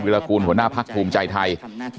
รากูลหัวหน้าพักภูมิใจไทย